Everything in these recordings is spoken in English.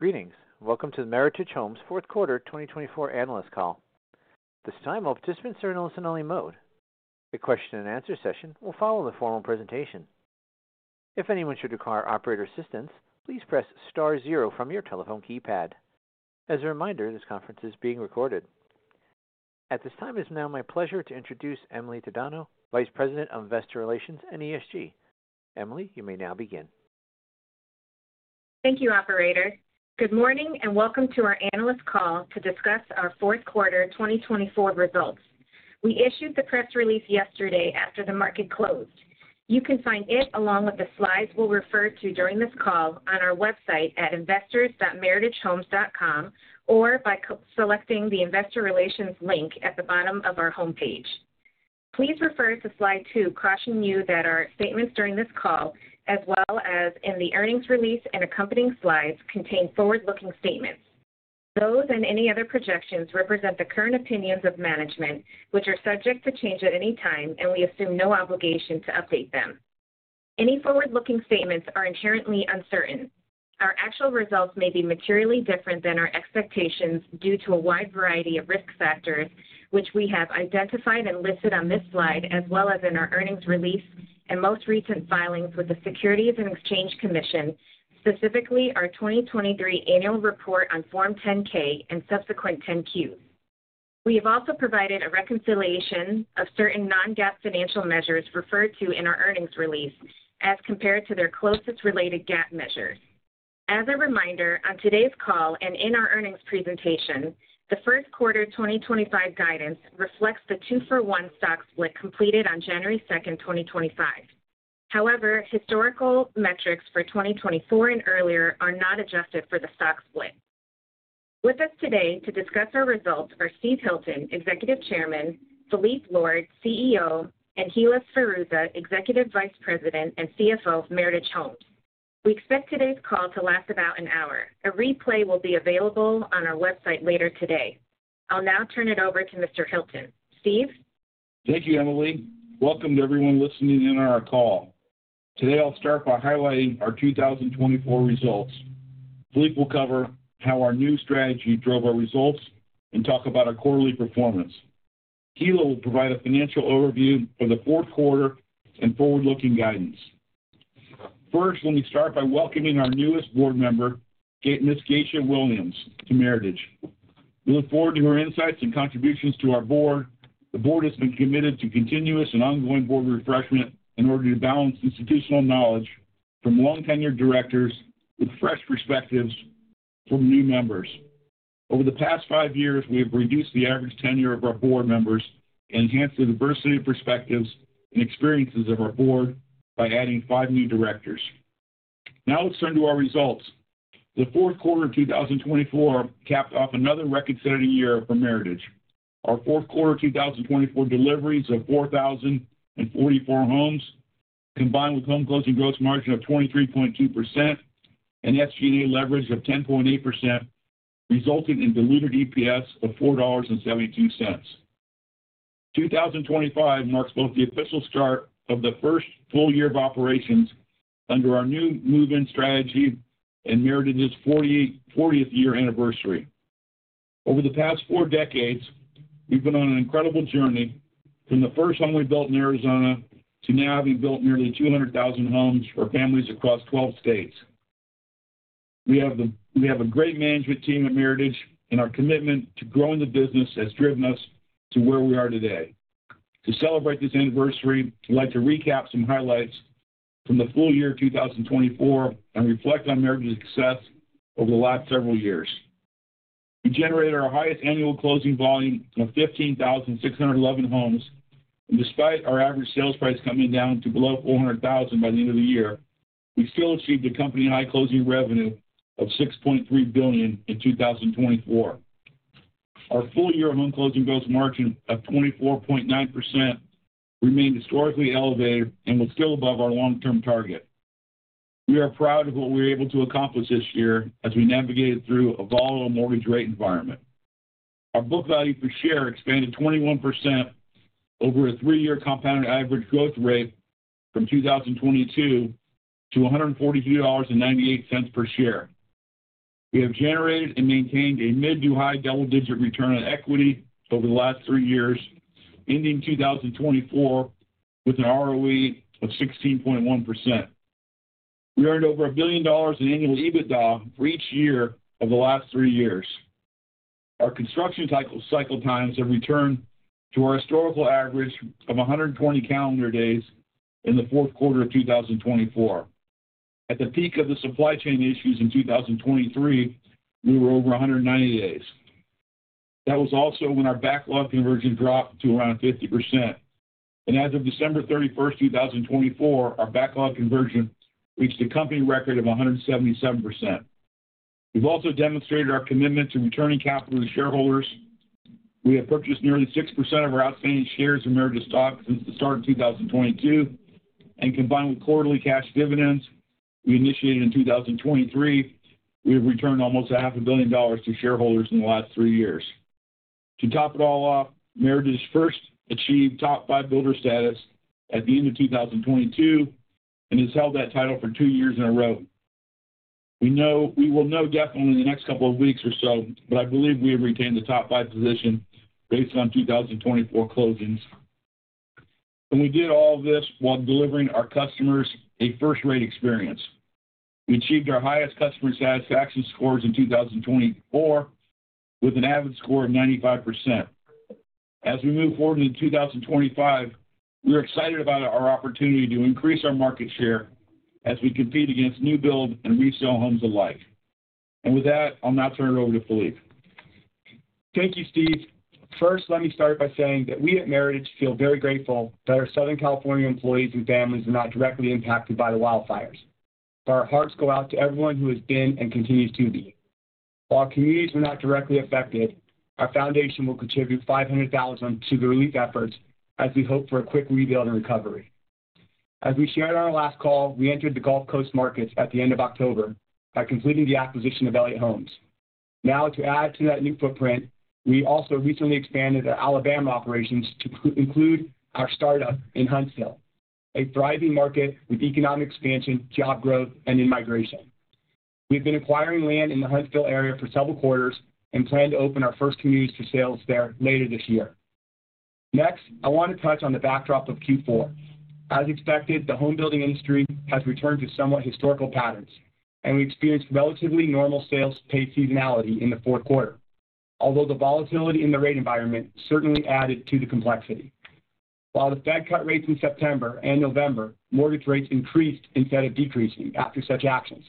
Greetings. Welcome to the Meritage Homes Q4 2024 Analyst Call. At this time, all participants are in listen-only mode. A question and answer session will follow the formal presentation. If anyone should require operator assistance, please press star zero from your telephone keypad. As a reminder, this conference is being recorded. At this time, it is now my pleasure to introduce Emily Tadano, Vice President of Investor Relations and ESG. Emily, you may now begin. Thank you, Operator. Good morning and welcome to our analyst call to discuss our Q4 2024 results. We issued the press release yesterday after the market closed. You can find it along with the slides we'll refer to during this call on our website at investors.meritagehomes.com or by selecting the Investor Relations link at the bottom of our homepage. Please refer to slide two cautioning you that our statements during this call, as well as in the earnings release and accompanying slides, contain forward-looking statements. Those and any other projections represent the current opinions of management, which are subject to change at any time, and we assume no obligation to update them. Any forward-looking statements are inherently uncertain. Our actual results may be materially different than our expectations due to a wide variety of risk factors, which we have identified and listed on this slide, as well as in our earnings release and most recent filings with the Securities and Exchange Commission, specifically our 2023 annual report on Form 10-K and subsequent 10-Qs. We have also provided a reconciliation of certain non-GAAP financial measures referred to in our earnings release as compared to their closest related GAAP measures. As a reminder, on today's call and in our earnings presentation, the Q1 2025 guidance reflects the two-for-one stock split completed on January 2nd, 2025. However, historical metrics for 2024 and earlier are not adjusted for the stock split. With us today to discuss our results are Steve Hilton, Executive Chairman, Philippe Lord, CEO, and Hilla Sferruzza, Executive Vice President and CFO of Meritage Homes. We expect today's call to last about an hour. A replay will be available on our website later today. I'll now turn it over to Mr. Hilton. Steve? Thank you, Emily. Welcome to everyone listening in on our call. Today, I'll start by highlighting our 2024 results. Philippe will cover how our new strategy drove our results and talk about our quarterly performance. Hilla will provide a financial overview for the Q4 and forward-looking guidance. First, let me start by welcoming our newest board member, Ms. Geisha Williams, to Meritage. We look forward to her insights and contributions to our board. The board has been committed to continuous and ongoing board refreshment in order to balance institutional knowledge from long-tenured directors with fresh perspectives from new members. Over the past five years, we have reduced the average tenure of our board members and enhanced the diversity of perspectives and experiences of our board by adding five new directors. Now let's turn to our results. The Q4 of 2024 capped off another record-setting year for Meritage. Our Q4 2024 deliveries of 4,044 homes, combined with home closing gross margin of 23.2% and SG&A leverage of 10.8%, resulted in diluted EPS of $4.72. 2025 marks both the official start of the first full year of operations under our new move-in strategy and Meritage's 40th year anniversary. Over the past four decades, we've been on an incredible journey from the first home we built in Arizona to now having built nearly 200,000 homes for families across 12 states. We have a great management team at Meritage, and our commitment to growing the business has driven us to where we are today. To celebrate this anniversary, I'd like to recap some highlights from the full year 2024 and reflect on Meritage's success over the last several years. We generated our highest annual closing volume of 15,611 homes, and despite our average sales price coming down to below $400,000 by the end of the year, we still achieved a company-high closing revenue of $6.3 billion in 2024. Our full year home closing gross margin of 24.9% remained historically elevated and was still above our long-term target. We are proud of what we were able to accomplish this year as we navigated through a volatile mortgage rate environment. Our book value per share expanded 21% over a three-year compounded average growth rate from 2022 to $142.98 per share. We have generated and maintained a mid to high double-digit return on equity over the last 3 years, ending 2024 with an ROE of 16.1%. We earned over $1 billion in annual EBITDA for each year of the last 3 years. Our construction cycle times have returned to our historical average of 120 calendar days in the Q of 2024. At the peak of the supply chain issues in 2023, we were over 190 days. That was also when our backlog conversion dropped to around 50%, and as of December 31, 2024, our backlog conversion reached a company record of 177%. We've also demonstrated our commitment to returning capital to shareholders. We have purchased nearly 6% of our outstanding shares of Meritage stock since the start of 2022, and combined with quarterly cash dividends we initiated in 2023, we have returned almost $500 million to shareholders in the last 3 years. To top it all off, Meritage first achieved top five builder status at the end of 2022 and has held that title for 2 years in a row. We will know definitely in the next couple of weeks or so, but I believe we have retained the top five position based on 2024 closings. And we did all of this while delivering our customers a first-rate experience. We achieved our highest customer satisfaction scores in 2024 with an average score of 95%. As we move forward into 2025, we are excited about our opportunity to increase our market share as we compete against new build and resale homes alike. And with that, I'll now turn it over to Philippe. Thank you, Steve. First, let me start by saying that we at Meritage feel very grateful that our Southern California employees and families are not directly impacted by the wildfires. Our hearts go out to everyone who has been and continues to be. While our communities are not directly affected, our foundation will contribute $500,000 to the relief efforts as we hope for a quick rebuild and recovery. As we shared on our last call, we entered the Gulf Coast markets at the end of October by completing the acquisition of Elliott Homes. Now, to add to that new footprint, we also recently expanded our Alabama operations to include our startup in Huntsville, a thriving market with economic expansion, job growth, and immigration. We've been acquiring land in the Huntsville area for several quarters and plan to open our first communities for sales there later this year. Next, I want to touch on the backdrop of Q4. As expected, the home building industry has returned to somewhat historical patterns, and we experienced relatively normal sales pace seasonality in the Q4, although the volatility in the rate environment certainly added to the complexity. While the Fed cut rates in September and November, mortgage rates increased instead of decreasing after such actions,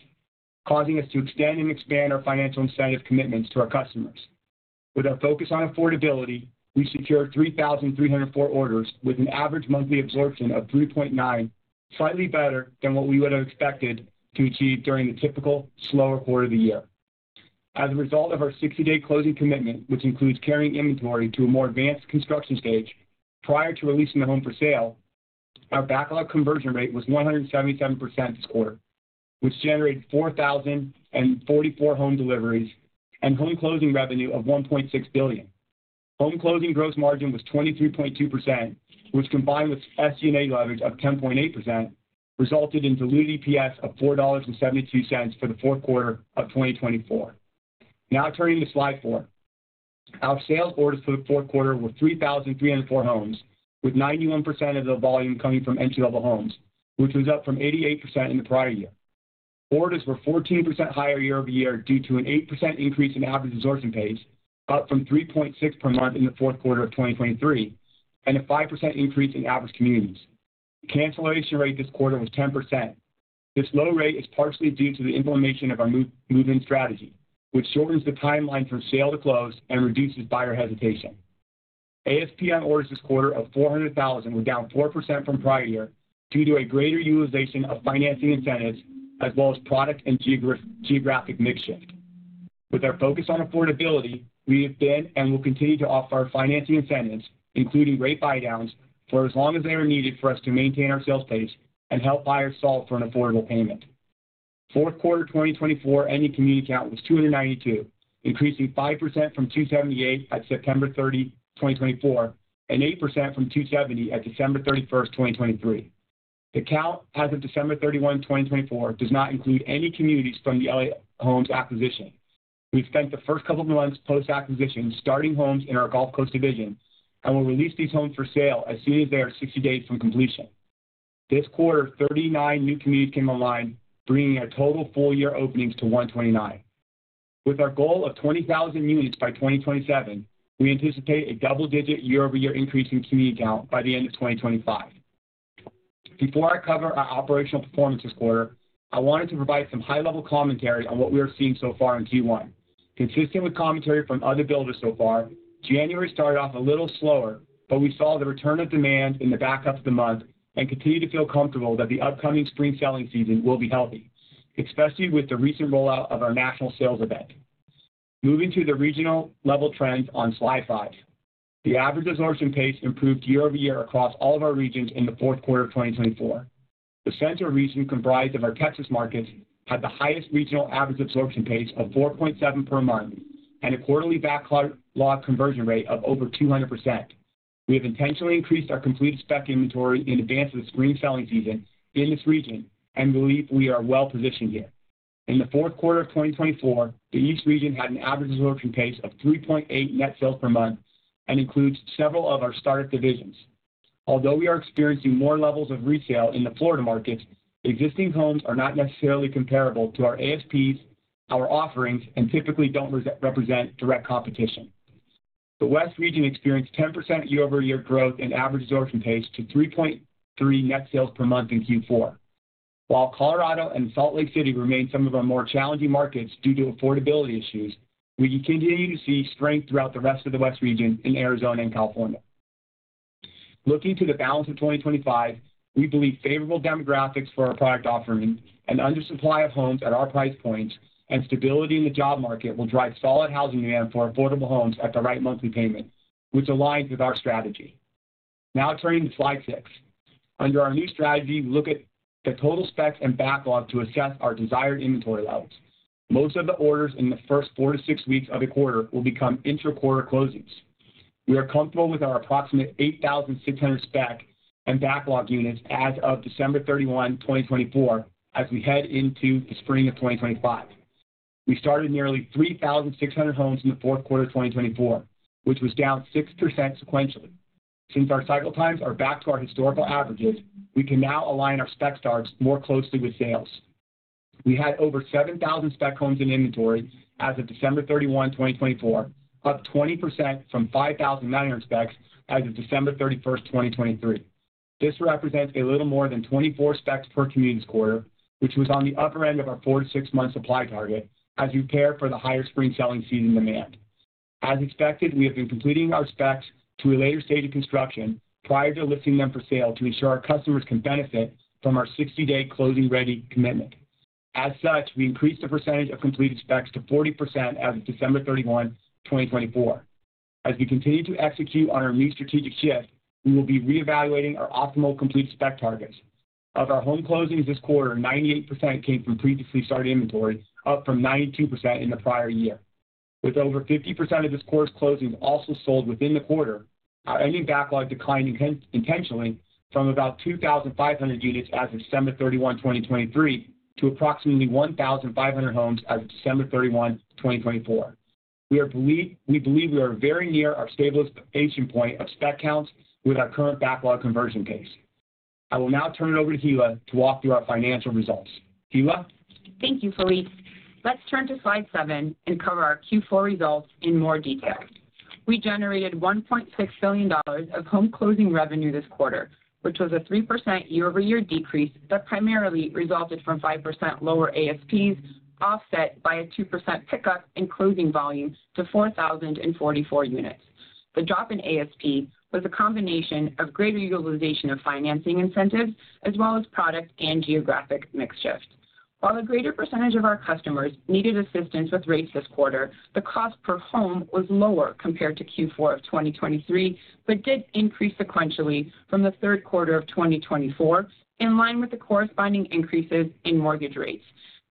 causing us to extend and expand our financial incentive commitments to our customers. With our focus on affordability, we secured 3,304 orders with an average monthly absorption of 3.9, slightly better than what we would have expected to achieve during the typical slower quarter of the year. As a result of our 60-day closing commitment, which includes carrying inventory to a more advanced construction stage prior to releasing the home for sale, our backlog conversion rate was 177% this quarter, which generated 4,044 home deliveries and home closing revenue of $1.6 billion. Home closing gross margin was 23.2%, which combined with SG&A leverage of 10.8%, resulted in diluted EPS of $4.72 for the Q4 of 2024. Now turning to slide four, our sales orders for the Q4 were 3,304 homes, with 91% of the volume coming from entry-level homes, which was up from 88% in the prior year. Orders were 14% higher year over year due to an 8% increase in average absorption pace, up from 3.6 per month in the Q4 of 2023, and a 5% increase in average communities. Cancellation rate this quarter was 10%. This low rate is partially due to the implementation of our move-in strategy, which shortens the timeline from sale to close and reduces buyer hesitation. ASP on orders this quarter of $400,000 was down 4% from prior year due to a greater utilization of financing incentives, as well as product and geographic mix. With our focus on affordability, we have been and will continue to offer our financing incentives, including rate buy-downs, for as long as they are needed for us to maintain our sales pace and help buyers solve for an affordable payment. Q4 2024 ending community count was 292, increasing 5% from 278 at September 30, 2024, and 8% from 270 at December 31, 2023. The count as of December 31, 2024, does not include any communities from the Elliott Homes acquisition. We spent the first couple of months post-acquisition starting homes in our Gulf Coast division and will release these homes for sale as soon as they are 60 days from completion. This quarter, 39 new communities came online, bringing our total full year openings to 129. With our goal of 20,000 units by 2027, we anticipate a double-digit year-over-year increase in community count by the end of 2025. Before I cover our operational performance this quarter, I wanted to provide some high-level commentary on what we are seeing so far in Q1. Consistent with commentary from other builders so far, January started off a little slower, but we saw the return of demand in the back half of the month and continue to feel comfortable that the upcoming spring selling season will be healthy, especially with the recent rollout of our national sales event. Moving to the regional level trends on slide five, the average absorption pace improved year over year across all of our regions in the Q4 of 2024. The central region comprised of our Texas markets had the highest regional average absorption pace of 4.7 per month and a quarterly backlog conversion rate of over 200%. We have intentionally increased our completed spec inventory in advance of the spring selling season in this region, and we believe we are well positioned here. In the Q4 of 2024, the East region had an average absorption pace of 3.8 net sales per month and includes several of our startup divisions. Although we are experiencing more levels of resale in the Florida markets, existing homes are not necessarily comparable to our ASPs, our offerings, and typically don't represent direct competition. The West region experienced 10% year-over-year growth in average absorption pace to 3.3 net sales per month in Q4. While Colorado and Salt Lake City remain some of our more challenging markets due to affordability issues, we continue to see strength throughout the rest of the West region in Arizona and California. Looking to the balance of 2025, we believe favorable demographics for our product offering and undersupply of homes at our price points and stability in the job market will drive solid housing demand for affordable homes at the right monthly payment, which aligns with our strategy. Now turning to slide six. Under our new strategy, we look at the total specs and backlog to assess our desired inventory levels. Most of the orders in the first 4 to 6 weeks of the quarter will become intra-quarter closings. We are comfortable with our approximate 8,600 spec and backlog units as of December 31, 2024, as we head into the spring of 2025. We started nearly 3,600 homes in the Q4 of 2024, which was down 6% sequentially. Since our cycle times are back to our historical averages, we can now align our spec starts more closely with sales. We had over 7,000 spec homes in inventory as of December 31, 2024, up 20% from 5,900 specs as of December 31, 2023. This represents a little more than 24 specs per community this quarter, which was on the upper end of our four to 6 months supply target as we prepare for the higher spring selling season demand. As expected, we have been completing our specs to a later stage of construction prior to listing them for sale to ensure our customers can benefit from our 60-day closing-ready commitment. As such, we increased the percentage of completed specs to 40% as of December 31, 2024. As we continue to execute on our new strategic shift, we will be reevaluating our optimal completed spec targets. Of our home closings this quarter, 98% came from previously started inventory, up from 92% in the prior year. With over 50% of this quarter's closings also sold within the quarter, our ending backlog declined intentionally from about 2,500 units as of December 31, 2023, to approximately 1,500 homes as of December 31, 2024. We believe we are very near our stabilization point of spec counts with our current backlog conversion pace. I will now turn it over to Hilla to walk through our financial results. Hilla. Thank you, Philippe. Let's turn to slide seven and cover our Q4 results in more detail. We generated $1.6 billion of home closing revenue this quarter, which was a 3% year-over-year decrease that primarily resulted from 5% lower ASPs, offset by a 2% pickup in closing volume to 4,044 units. The drop in ASP was a combination of greater utilization of financing incentives as well as product and geographic mix. While a greater percentage of our customers needed assistance with rates this quarter, the cost per home was lower compared to Q4 of 2023, but did increase sequentially from the Q3 of 2024 in line with the corresponding increases in mortgage rates.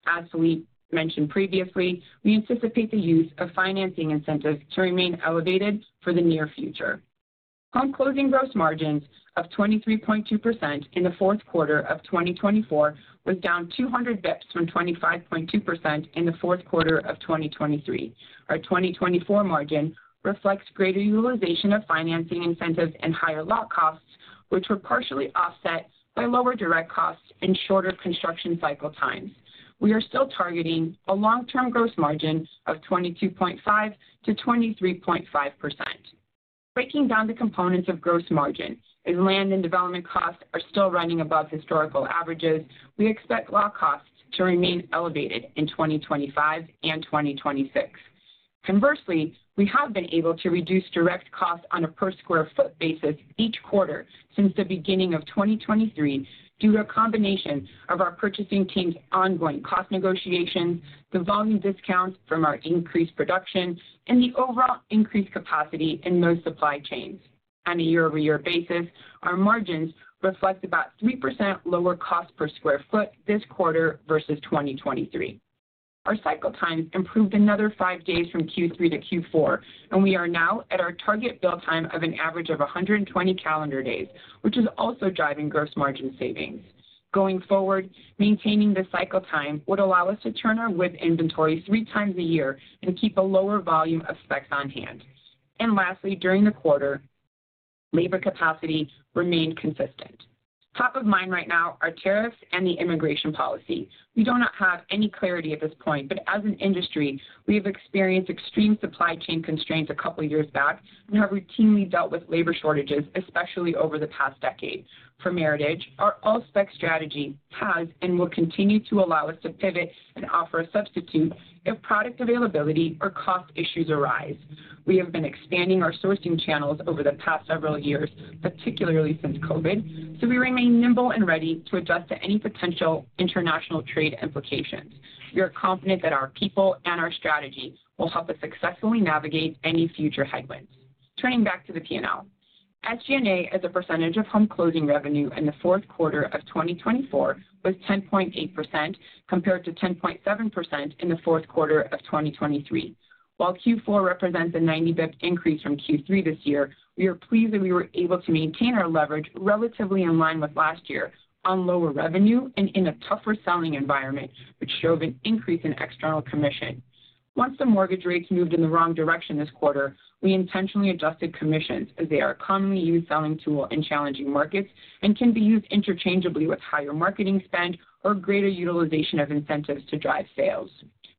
As Philippe mentioned previously, we anticipate the use of financing incentives to remain elevated for the near future. Home closing gross margins of 23.2% in the Q4 of 2024 was down 200 basis points from 25.2% in the Q4 of 2023. Our 2024 margin reflects greater utilization of financing incentives and higher lock costs, which were partially offset by lower direct costs and shorter construction cycle times. We are still targeting a long-term gross margin of 22.5%-23.5%. Breaking down the components of gross margin, as land and development costs are still running above historical averages, we expect lock costs to remain elevated in 2025 and 2026. Conversely, we have been able to reduce direct costs on a per sq ft basis each quarter since the beginning of 2023 due to a combination of our purchasing team's ongoing cost negotiations, the volume discounts from our increased production, and the overall increased capacity in most supply chains. On a year-over-year basis, our margins reflect about 3% lower cost per sq ft this quarter versus 2023. Our cycle times improved another five days from Q3 to Q4, and we are now at our target build time of an average of 120 calendar days, which is also driving gross margin savings. Going forward, maintaining the cycle time would allow us to turn our WIP inventory three times a year and keep a lower volume of specs on hand. And lastly, during the quarter, labor capacity remained consistent. Top of mind right now are tariffs and the immigration policy. We do not have any clarity at this point, but as an industry, we have experienced extreme supply chain constraints a couple of years back and have routinely dealt with labor shortages, especially over the past decade. For Meritage, our all-spec strategy has and will continue to allow us to pivot and offer a substitute if product availability or cost issues arise. We have been expanding our sourcing channels over the past several years, particularly since COVID, so we remain nimble and ready to adjust to any potential international trade implications. We are confident that our people and our strategy will help us successfully navigate any future headwinds. Turning back to the P&L, SG&A as a percentage of home closing revenue in the Q4 of 2024 was 10.8% compared to 10.7% in the Q4 of 2023. While Q4 represents a 90 basis points increase from Q3 this year, we are pleased that we were able to maintain our leverage relatively in line with last year on lower revenue and in a tougher selling environment, which drove an increase in external commission. Once the mortgage rates moved in the wrong direction this quarter, we intentionally adjusted commissions as they are a commonly used selling tool in challenging markets and can be used interchangeably with higher marketing spend or greater utilization of incentives to drive sales.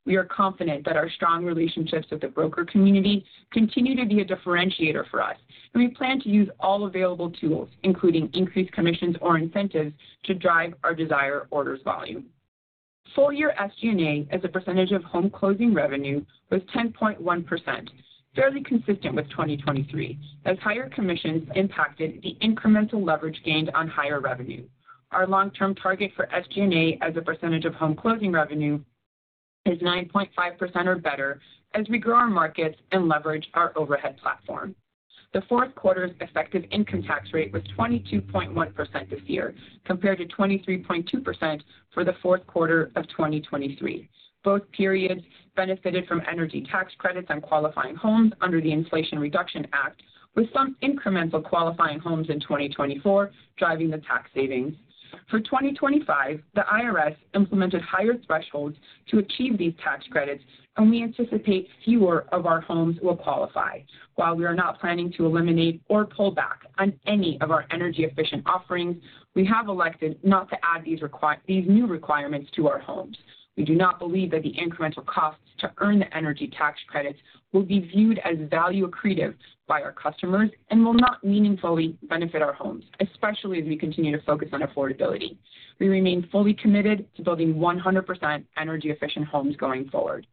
We are confident that our strong relationships with the broker community continue to be a differentiator for us, and we plan to use all available tools, including increased commissions or incentives, to drive our desired orders volume. Full year SG&A as a percentage of home closing revenue was 10.1%, fairly consistent with 2023, as higher commissions impacted the incremental leverage gained on higher revenue. Our long term target for SG&A as a percentage of home closing revenue is 9.5% or better as we grow our markets and leverage our overhead platform. The Q4's effective income tax rate was 22.1% this year compared to 23.2% for the Q4 of 2023. Both periods benefited from energy tax credits on qualifying homes under the Inflation Reduction Act, with some incremental qualifying homes in 2024 driving the tax savings. For 2025, the IRS implemented higher thresholds to achieve these tax credits, and we anticipate fewer of our homes will qualify. While we are not planning to eliminate or pull back on any of our energy-efficient offerings, we have elected not to add these new requirements to our homes. We do not believe that the incremental costs to earn the energy tax credits will be viewed as value-accretive by our customers and will not meaningfully benefit our homes, especially as we continue to focus on affordability. We remain fully committed to building 100% energy-efficient homes going forward.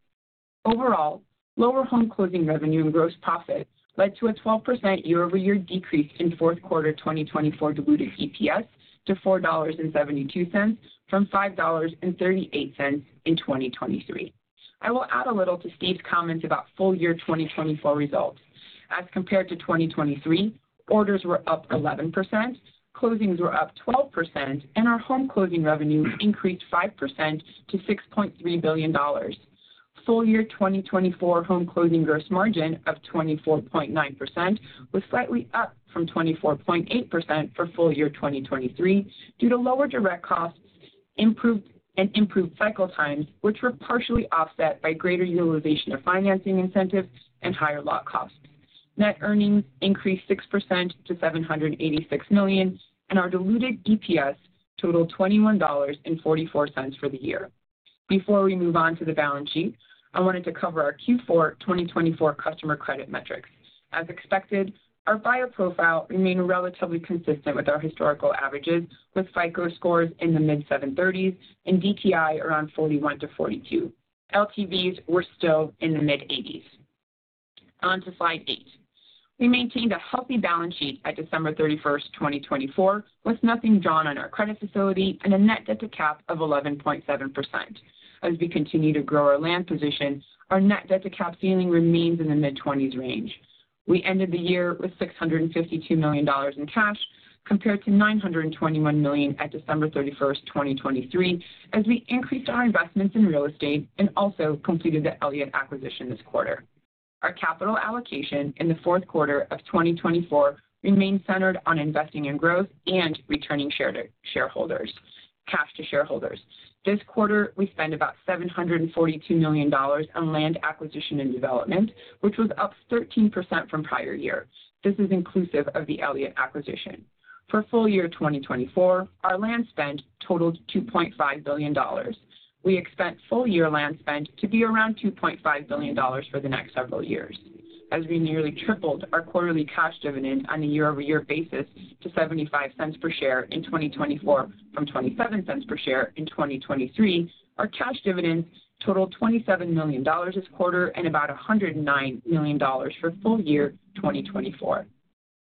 Overall, lower home closing revenue and gross profit led to a 12% year-over-year decrease in Q4 2024 diluted EPS to $4.72 from $5.38 in 2023. I will add a little to Steve's comments about full year 2024 results. As compared to 2023, orders were up 11%, closings were up 12%, and our home closing revenue increased 5% to $6.3 billion. Full year 2024 home closing gross margin of 24.9% was slightly up from 24.8% for full year 2023 due to lower direct costs and improved cycle times, which were partially offset by greater utilization of financing incentives and higher lock costs. Net earnings increased 6% to $786 million, and our diluted EPS totaled $21.44 for the year. Before we move on to the balance sheet, I wanted to cover our Q4 2024 customer credit metrics. As expected, our buyer profile remained relatively consistent with our historical averages, with FICO scores in the mid-730s and DTI around 41%-42%. LTVs were still in the mid-80s. On to slide eight. We maintained a healthy balance sheet at December 31, 2024, with nothing drawn on our credit facility and a net debt-to-cap of 11.7%. As we continue to grow our land position, our net debt-to-cap ceiling remains in the mid-20s% range. We ended the year with $652 million in cash compared to $921 million at December 31, 2023, as we increased our investments in real estate and also completed the Elliott acquisition this quarter. Our capital allocation in the Q4 of 2024 remained centered on investing in growth and returning cash to shareholders. This quarter, we spent about $742 million on land acquisition and development, which was up 13% from prior year. This is inclusive of the Elliott acquisition. For full year 2024, our land spend totaled $2.5 billion. We expect full year land spend to be around $2.5 billion for the next several years. As we nearly tripled our quarterly cash dividend on a year-over-year basis to $0.75 per share in 2024 from $0.27 per share in 2023, our cash dividends totaled $27 million this quarter and about $109 million for full year 2024.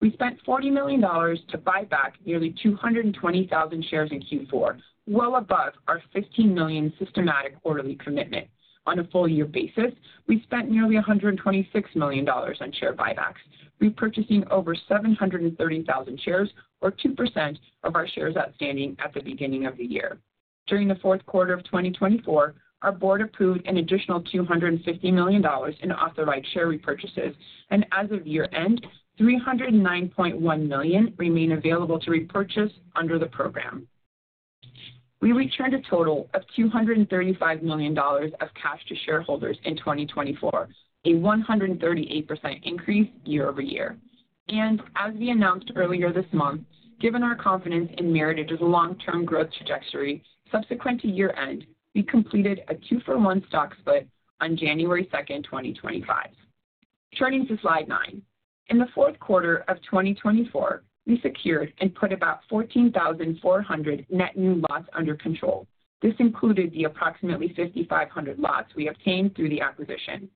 We spent $40 million to buy back nearly 220,000 shares in Q4, well above our $15 million systematic quarterly commitment. On a full year basis, we spent nearly $126 million on share buybacks, repurchasing over 730,000 shares, or 2% of our shares outstanding at the beginning of the year. During the Q4 of 2024, our board approved an additional $250 million in authorized share repurchases, and as of year-end, $309.1 million remained available to repurchase under the program. We returned a total of $235 million of cash to shareholders in 2024, a 138% increase year-over-year. And as we announced earlier this month, given our confidence in Meritage's long-term growth trajectory subsequent to year-end, we completed a two-for-one stock split on January 2, 2025. Turning to slide nine. In the Q4 of 2024, we secured and put about 14,400 net new lots under control. This included the approximately 5,500 lots we obtained through the acquisition.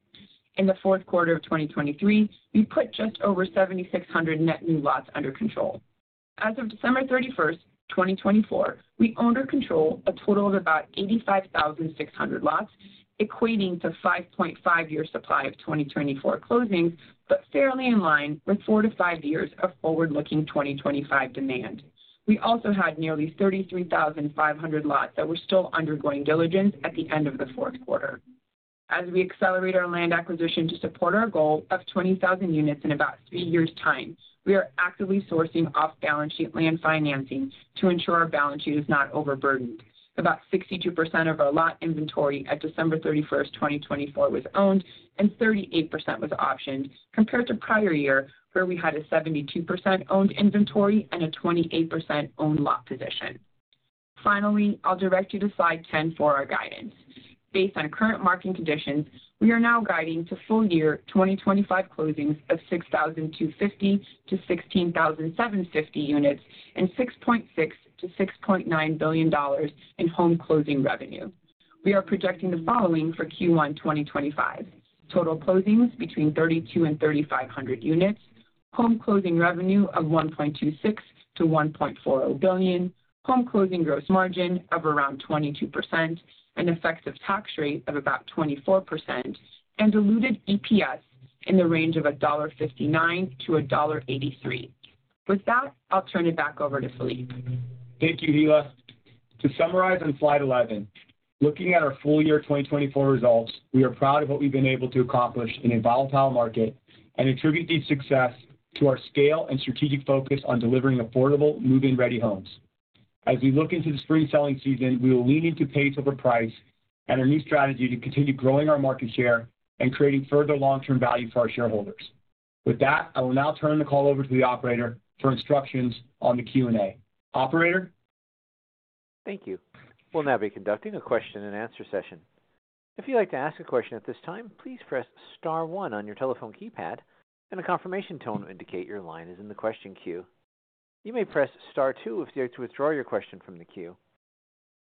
In the Q4 of 2023, we put just over 7,600 net new lots under control. As of December 31, 2024, we owned or controlled a total of about 85,600 lots, equating to 5.5 year supply of 2024 closings, but fairly in line with four to 5 years of forward-looking 2025 demand. We also had nearly 33,500 lots that were still undergoing diligence at the end of the Q4. As we accelerate our land acquisition to support our goal of 20,000 units in about 3 years time, we are actively sourcing off-balance sheet land financing to ensure our balance sheet is not overburdened. About 62% of our lot inventory at December 31, 2024, was owned and 38% was optioned compared to prior year, where we had a 72% owned inventory and a 28% owned lot position. Finally, I'll direct you to slide 10 for our guidance. Based on current market conditions, we are now guiding to full year 2025 closings of 6,250 to 6,750 units and $6.6 to $6.9 billion in home closing revenue. We are projecting the following for Q1 2025: total closings between 3,200 and 3,500 units, home closing revenue of $1.26 to $1.40 billion, home closing gross margin of around 22%, an effective tax rate of about 24%, and diluted EPS in the range of $1.59-$1.83. With that, I'll turn it back over to Philippe. Thank you, Hilla. To summarize on slide 11, looking at our full year 2024 results, we are proud of what we've been able to accomplish in a volatile market and attribute these successes to our scale and strategic focus on delivering affordable, move-in ready homes. As we look into the spring selling season, we will lean into pace over price and our new strategy to continue growing our market share and creating further long-term value for our shareholders. With that, I will now turn the call over to the operator for instructions on the Q&A. Operator. Thank you. We'll now be conducting a question and answer session. If you'd like to ask a question at this time, please press Star 1 on your telephone keypad, and a confirmation tone will indicate your line is in the question queue. You may press Star 2 if you'd like to withdraw your question from the queue.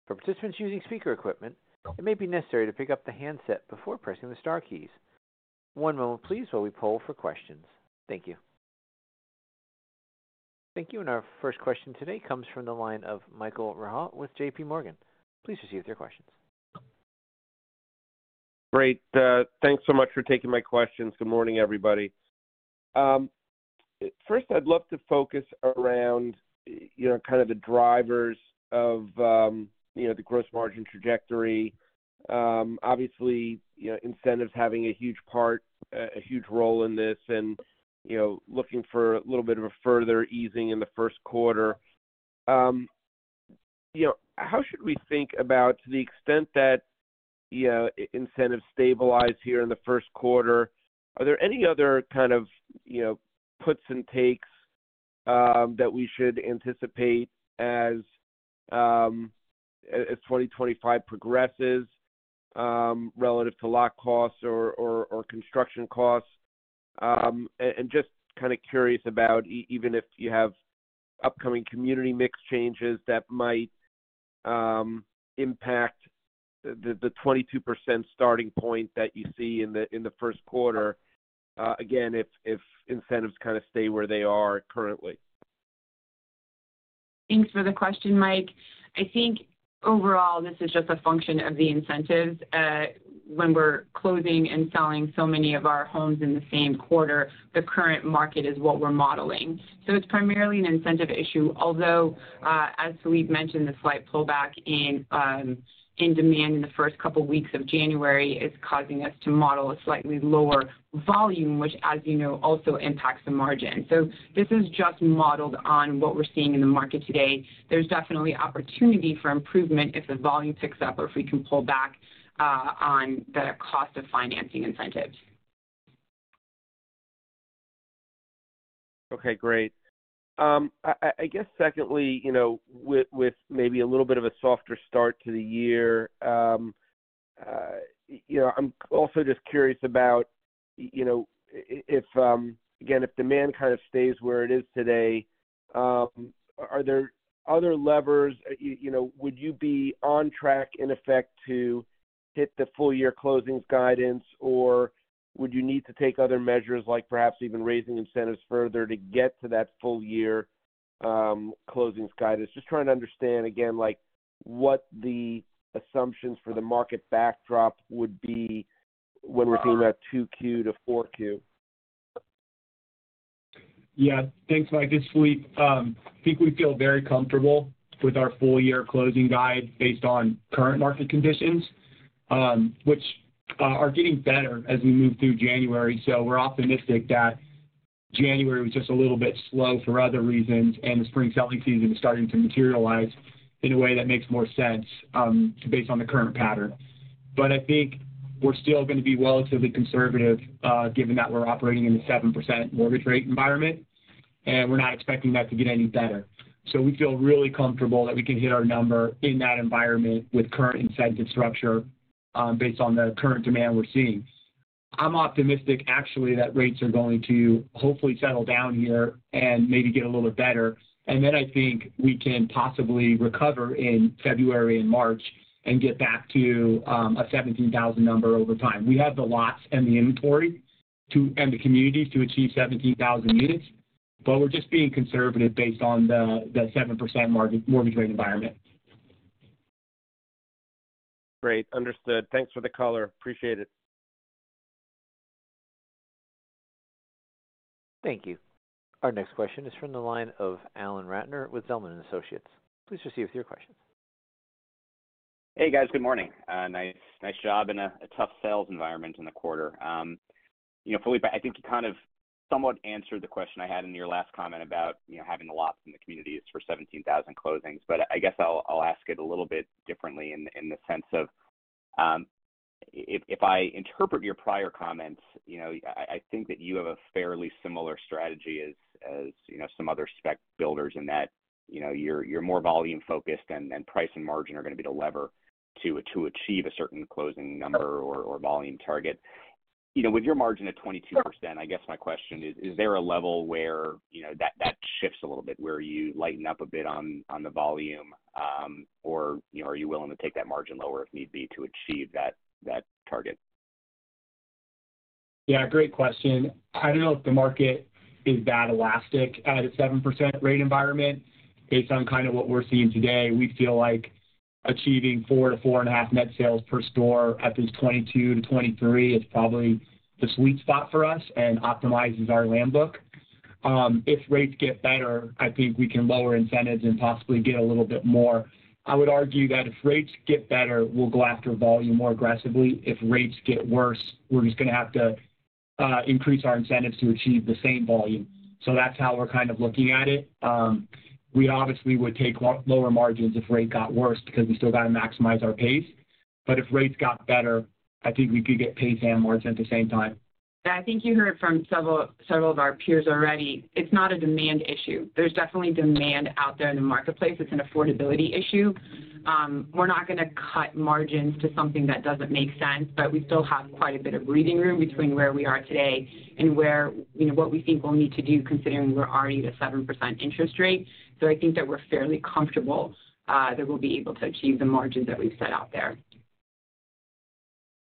For participants using speaker equipment, it may be necessary to pick up the handset before pressing the Star keys. One moment, please, while we poll for questions. Thank you. Thank you. Our first question today comes from the line of Michael Rehaut with J.P. Morgan. Please proceed with your questions. Great. Thanks so much for taking my questions. Good morning, everybody. First, I'd love to focus around kind of the drivers of the gross margin trajectory. Obviously, incentives having a huge part, a huge role in this, and looking for a little bit of a further easing in the Q1. How should we think about to the extent that incentives stabilize here in the Q1? Are there any other kind of puts and takes that we should anticipate as 2025 progresses relative to lock costs or construction costs? And just kind of curious about even if you have upcoming community mix changes that might impact the 22% starting point that you see in the Q1, again, if incentives kind of stay where they are currently. Thanks for the question, Mike. I think overall, this is just a function of the incentives. When we're closing and selling so many of our homes in the same quarter, the current market is what we're modeling. So it's primarily an incentive issue, although, as Philippe mentioned, the slight pullback in demand in the first couple of weeks of January is causing us to model a slightly lower volume, which, as you know, also impacts the margin. So this is just modeled on what we're seeing in the market today. There's definitely opportunity for improvement if the volume picks up or if we can pull back on the cost of financing incentives. Okay. Great. I guess secondly, with maybe a little bit of a softer start to the year, I'm also just curious about, again, if demand kind of stays where it is today, are there other levers? Would you be on track, in effect, to hit the full year closings guidance, or would you need to take other measures, like perhaps even raising incentives further to get to that full year closings guidance? Just trying to understand, again, what the assumptions for the market backdrop would be when we're thinking about 2Q to 4Q. Yeah. Thanks, Mike. This is Philippe. I think we feel very comfortable with our full year closing guide based on current market conditions, which are getting better as we move through January. So we're optimistic that January was just a little bit slow for other reasons, and the spring selling season is starting to materialize in a way that makes more sense based on the current pattern. But I think we're still going to be relatively conservative given that we're operating in the 7% mortgage rate environment, and we're not expecting that to get any better. So we feel really comfortable that we can hit our number in that environment with current incentive structure based on the current demand we're seeing. I'm optimistic, actually, that rates are going to hopefully settle down here and maybe get a little bit better. And then I think we can possibly recover in February and March and get back to a 17,000 number over time. We have the lots and the inventory and the communities to achieve 17,000 units, but we're just being conservative based on the 7% mortgage rate environment. Great. Understood. Thanks for the color. Appreciate it. Thank you. Our next question is from the line of Alan Ratner with Zelman & Associates. Please proceed with your questions. Hey, guys. Good morning. Nice job in a tough sales environment in the quarter. Philippe, I think you kind of somewhat answered the question I had in your last comment about having the lots in the communities for 17,000 closings. But I guess I'll ask it a little bit differently in the sense of if I interpret your prior comments, I think that you have a fairly similar strategy as some other spec builders in that you're more volume-focused, and price and margin are going to be the lever to achieve a certain closing number or volume target. With your margin at 22%, I guess my question is, is there a level where that shifts a little bit, where you lighten up a bit on the volume, or are you willing to take that margin lower if need be to achieve that target? Yeah. Great question. I don't know if the market is that elastic at a 7% rate environment. Based on kind of what we're seeing today, we feel like achieving four to four and a half net sales per store at this 22-23 is probably the sweet spot for us and optimizes our land bank. If rates get better, I think we can lower incentives and possibly get a little bit more. I would argue that if rates get better, we'll go after volume more aggressively. If rates get worse, we're just going to have to increase our incentives to achieve the same volume. So that's how we're kind of looking at it. We obviously would take lower margins if rate got worse because we still got to maximize our pace. But if rates got better, I think we could get pace and margin at the same time. Yeah. I think you heard from several of our peers already. It's not a demand issue. There's definitely demand out there in the marketplace. It's an affordability issue. We're not going to cut margins to something that doesn't make sense, but we still have quite a bit of breathing room between where we are today and what we think we'll need to do considering we're already at a 7% interest rate. So I think that we're fairly comfortable that we'll be able to achieve the margins that we've set out there.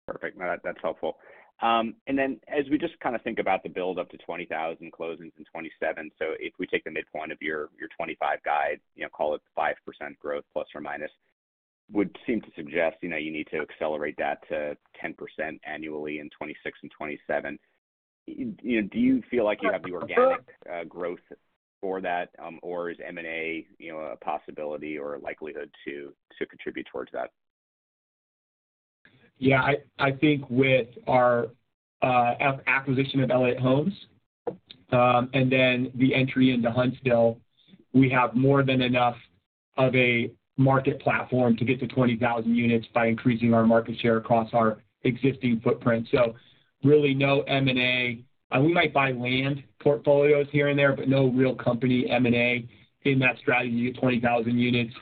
Perfect. That's helpful. And then as we just kind of think about the build-up to 20,000 closings in 2027, so if we take the midpoint of your 2025 guide, call it 5% growth plus or minus, would seem to suggest you need to accelerate that to 10% annually in 2026 and 2027. Do you feel like you have the organic growth for that, or is M&A a possibility or a likelihood to contribute towards that? Yeah. I think with our acquisition of Elliott Homes and then the entry into Huntsville, we have more than enough of a market platform to get to 20,000 units by increasing our market share across our existing footprint. So really no M&A. We might buy land portfolios here and there, but no real company M&A in that strategy at 20,000 units.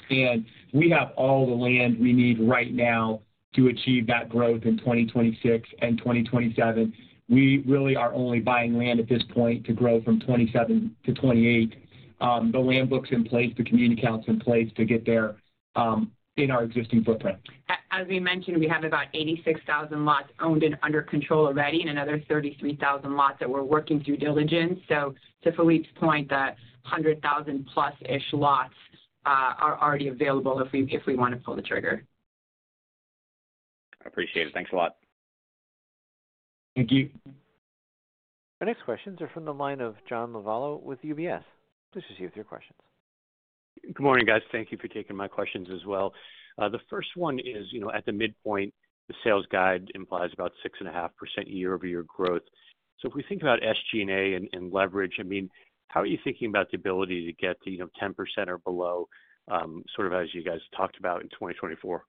We have all the land we need right now to achieve that growth in 2026 and 2027. We really are only buying land at this point to grow from 2027 to 2028. The land bank is in place, the community count is in place to get there in our existing footprint. As we mentioned, we have about 86,000 lots owned and under control already, and another 33,000 lots that we're working through diligence. So to Philippe's point, the 100,000-plus-ish lots are already available if we want to pull the trigger. I appreciate it. Thanks a lot. Thank you. Our next questions are from the line of John Lovallo with UBS. Please proceed with your questions. Good morning, guys. Thank you for taking my questions as well. The first one is, at the midpoint, the sales guide implies about 6.5% year-over-year growth. So if we think about SG&A and leverage, I mean, how are you thinking about the ability to get to 10% or below, sort of as you guys talked about in 2024?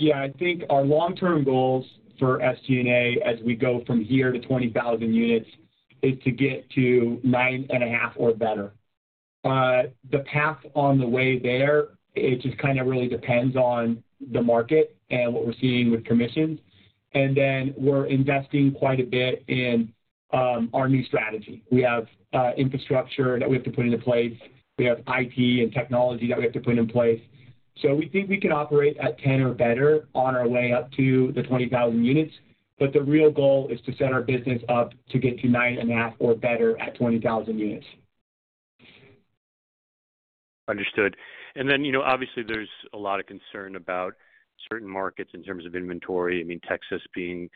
Yeah. I think our long-term goals for SG&A as we go from here to 20,000 units is to get to 9.5% or better. The path on the way there, it just kind of really depends on the market and what we're seeing with commissions. And then we're investing quite a bit in our new strategy. We have infrastructure that we have to put into place. We have IT and technology that we have to put in place. So we think we can operate at 10 or better on our way up to the 20,000 units. But the real goal is to set our business up to get to 9.5 or better at 20,000 units. Understood. And then obviously, there's a lot of concern about certain markets in terms of inventory. I mean, Texas being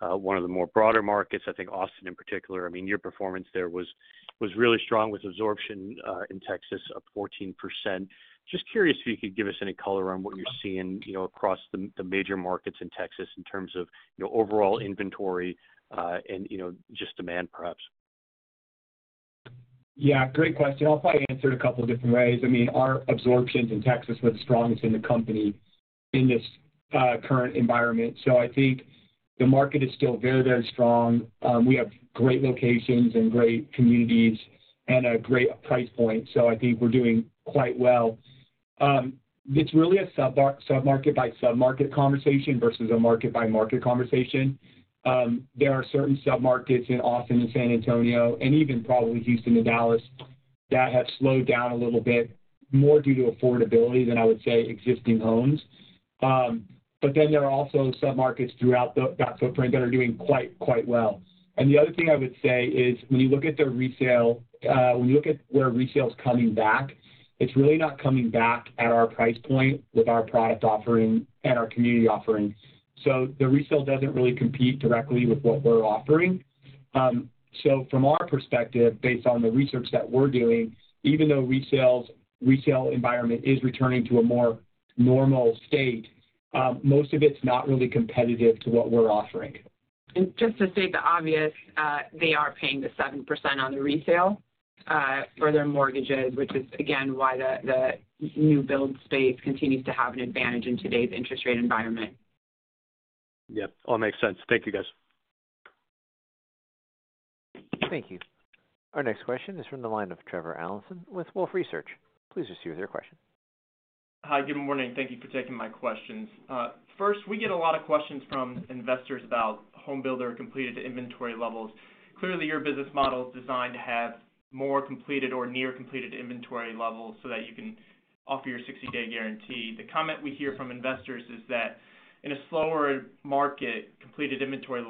one of the more broader markets. I think Austin, in particular, I mean, your performance there was really strong with absorption in Texas of 14%. Just curious if you could give us any color on what you're seeing across the major markets in Texas in terms of overall inventory and just demand, perhaps. Yeah. Great question. I'll probably answer it a couple of different ways. I mean, our absorptions in Texas were the strongest in the company in this current environment. So I think the market is still very, very strong. We have great locations and great communities and a great price point. So I think we're doing quite well. It's really a submarket-by-submarket conversation versus a market-by-market conversation. There are certain submarkets in Austin and San Antonio and even probably Houston and Dallas that have slowed down a little bit more due to affordability than, I would say, existing homes. But then there are also submarkets throughout that footprint that are doing quite, quite well. And the other thing I would say is when you look at the resale, when you look at where resale's coming back, it's really not coming back at our price point with our product offering and our community offering. So the resale doesn't really compete directly with what we're offering. So from our perspective, based on the research that we're doing, even though resale environment is returning to a more normal state, most of it's not really competitive to what we're offering. And just to state the obvious, they are paying the 7% on the resale for their mortgages, which is, again, why the new build space continues to have an advantage in today's interest rate environment. Yep. All makes sense. Thank you, guys. Thank you. Our next question is from the line of Trevor Allinson with Wolfe Research. Please proceed with your question. Hi. Good morning. Thank you for taking my questions. First, we get a lot of questions from investors about home builder completed inventory levels. Clearly, your business model is designed to have more completed or near-completed inventory levels so that you can offer your 60-day guarantee. The comment we hear from investors is that in a slower market, completed inventory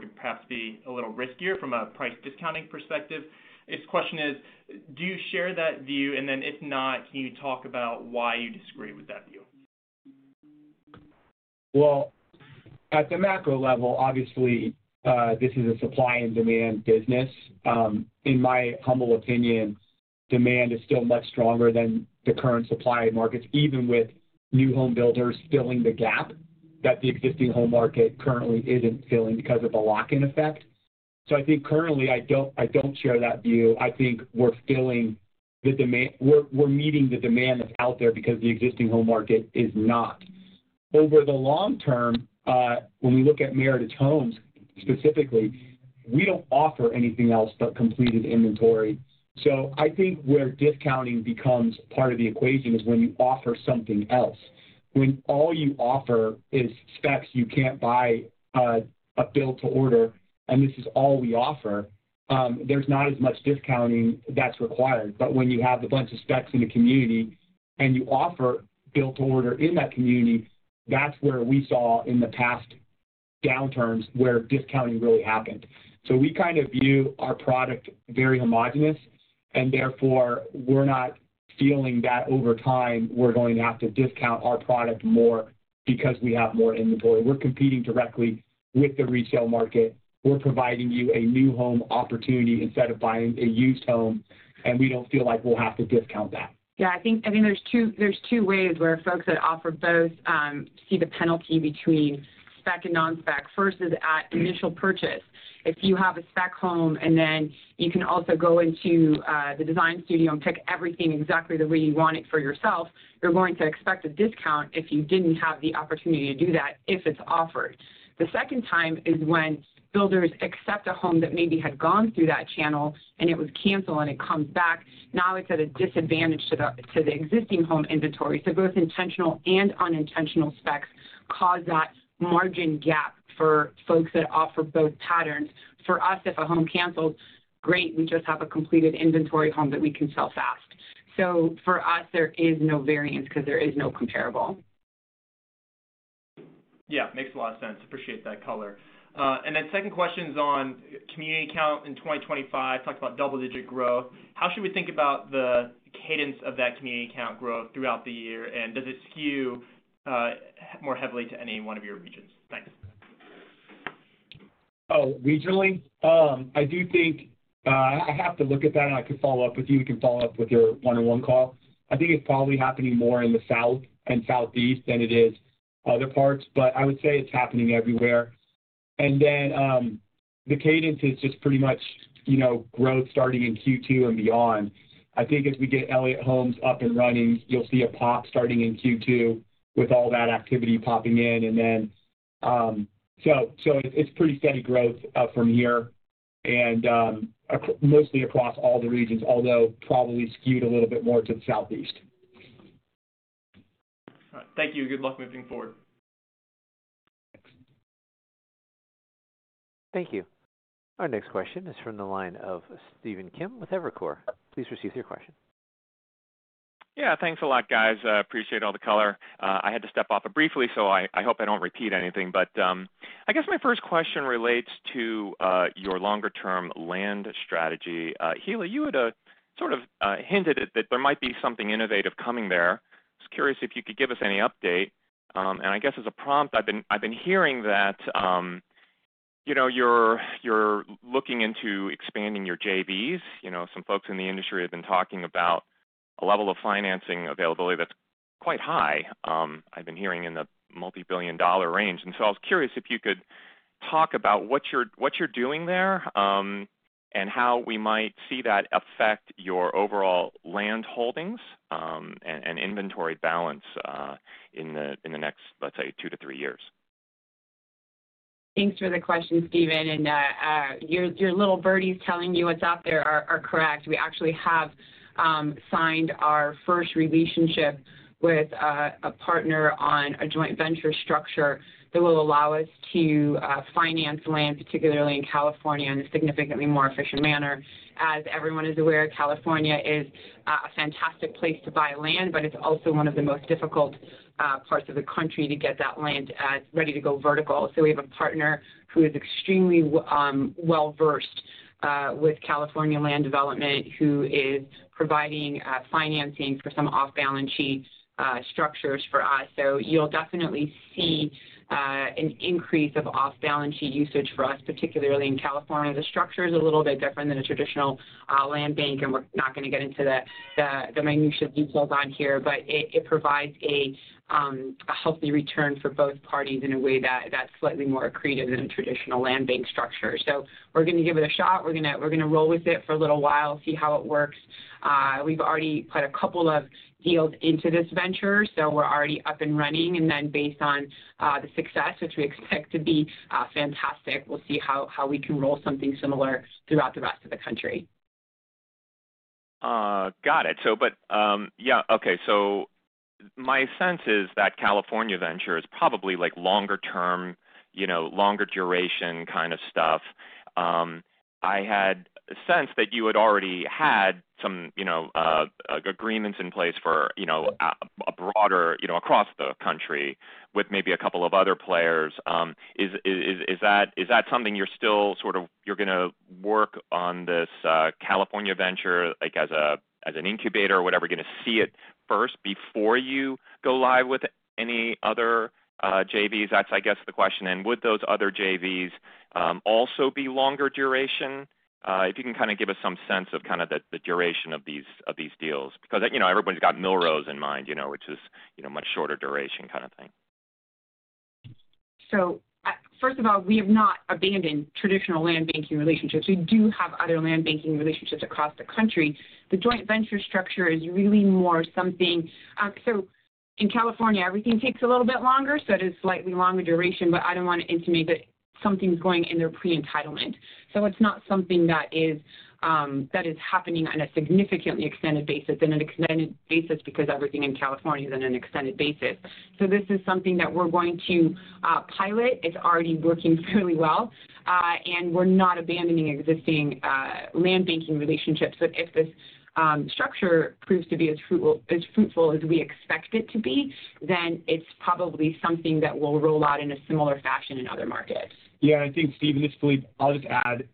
could perhaps be a little riskier from a price discounting perspective. The question is, do you share that view? And then if not, can you talk about why you disagree with that view? Well, at the macro level, obviously, this is a supply and demand business. In my humble opinion, demand is still much stronger than the current supply markets, even with new home builders filling the gap that the existing home market currently isn't filling because of the lock-in effect. So I think currently, I don't share that view. I think we're meeting the demand that's out there because the existing home market is not. Over the long term, when we look at Meritage Homes specifically, we don't offer anything else but completed inventory. So I think where discounting becomes part of the equation is when you offer something else. When all you offer is specs, you can't buy a build-to-order, and this is all we offer, there's not as much discounting that's required. But when you have a bunch of specs in a community and you offer build-to-order in that community, that's where we saw in the past downturns where discounting really happened. So we kind of view our product very homogenous, and therefore, we're not feeling that over time we're going to have to discount our product more because we have more inventory. We're competing directly with the retail market. We're providing you a new home opportunity instead of buying a used home, and we don't feel like we'll have to discount that. Yeah. I think there's two ways where folks that offer both see the penalty between spec and non-spec. First is at initial purchase. If you have a spec home and then you can also go into the design studio and pick everything exactly the way you want it for yourself, you're going to expect a discount if you didn't have the opportunity to do that if it's offered. The second time is when builders accept a home that maybe had gone through that channel and it was canceled and it comes back. Now it's at a disadvantage to the existing home inventory. So both intentional and unintentional specs cause that margin gap for folks that offer both patterns. For us, if a home cancels, great. We just have a completed inventory home that we can sell fast. So for us, there is no variance because there is no comparable. Yeah. Makes a lot of sense. Appreciate that color. And then second question is on community count in 2025. Talked about double-digit growth. How should we think about the cadence of that community count growth throughout the year, and does it skew more heavily to any one of your regions? Thanks. Oh, regionally? I do think I have to look at that, and I could follow up with you. We can follow up with your one-on-one call. I think it's probably happening more in the south and southeast than it is other parts, but I would say it's happening everywhere. And then the cadence is just pretty much growth starting in Q2 and beyond. I think as we get Elliott Homes up and running, you'll see a pop starting in Q2 with all that activity popping in, and then so it's pretty steady growth from here and mostly across all the regions, although probably skewed a little bit more to the southeast. All right. Thank you. Good luck moving forward. Thanks. Thank you. Our next question is from the line of Stephen Kim with Evercore. Please proceed with your question. Yeah. Thanks a lot, guys. Appreciate all the color. I had to step off briefly, so I hope I don't repeat anything. But I guess my first question relates to your longer-term land strategy. Hilla, you had sort of hinted that there might be something innovative coming there. I was curious if you could give us any update. And I guess as a prompt, I've been hearing that you're looking into expanding your JVs. Some folks in the industry have been talking about a level of financing availability that's quite high. I've been hearing in the multi-billion-dollar range. And so I was curious if you could talk about what you're doing there and how we might see that affect your overall land holdings and inventory balance in the next, let's say, 2 to 3 years. Thanks for the question, Stephen. And your little birdies telling you what's out there are correct. We actually have signed our first relationship with a partner on a joint venture structure that will allow us to finance land, particularly in California, in a significantly more efficient manner. As everyone is aware, California is a fantastic place to buy land, but it's also one of the most difficult parts of the country to get that land ready to go vertical. So we have a partner who is extremely well-versed with California land development who is providing financing for some off-balance sheet structures for us. So you'll definitely see an increase of off-balance sheet usage for us, particularly in California. The structure is a little bit different than a traditional land bank, and we're not going to get into the minutiae details on here, but it provides a healthy return for both parties in a way that's slightly more accretive than a traditional land bank structure. So we're going to give it a shot. We're going to roll with it for a little while, see how it works. We've already put a couple of deals into this venture, so we're already up and running. And then based on the success, which we expect to be fantastic, we'll see how we can roll something similar throughout the rest of the country. Got it, but yeah. Okay, so my sense is that California venture is probably longer-term, longer duration kind of stuff. I had a sense that you had already had some agreements in place for a broader across the country with maybe a couple of other players. Is that something you're still sort of going to work on, this California venture as an incubator or whatever? You're going to see it first before you go live with any other JVs? That's, I guess, the question, and would those other JVs also be longer duration? If you can kind of give us some sense of kind of the duration of these deals. Because everyone's got Millrose in mind, which is much shorter duration kind of thing, so first of all, we have not abandoned traditional land banking relationships. We do have other land banking relationships across the country. The joint venture structure is really more something so in California, everything takes a little bit longer. So it is slightly longer duration, but I don't want to intimate that something's going in their pre-entitlement. So it's not something that is happening on a significantly extended basis, in an extended basis because everything in California is on an extended basis. So this is something that we're going to pilot. It's already working fairly well. And we're not abandoning existing land banking relationships. But if this structure proves to be as fruitful as we expect it to be, then it's probably something that we'll roll out in a similar fashion in other markets. Yeah. And I think, Stephen, I'll just add